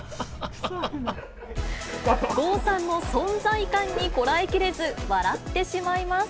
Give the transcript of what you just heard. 郷さんの存在感にこらえきれず、笑ってしまいます。